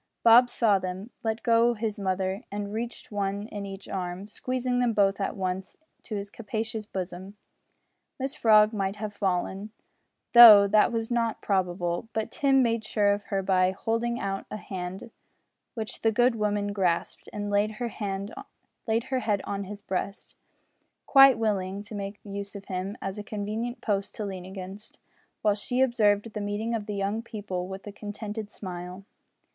Bob saw them, let go his mother, and received one in each arm squeezing them both at once to his capacious bosom. Mrs Frog might have fallen, though that was not probable, but Tim made sure of her by holding out a hand which the good woman grasped, and laid her head on his breast, quite willing to make use of him as a convenient post to lean against, while she observed the meeting of the young people with a contented smile.